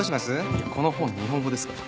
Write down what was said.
いやこの本日本語ですから。